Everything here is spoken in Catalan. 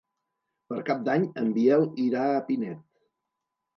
Per Cap d'Any en Biel irà a Pinet.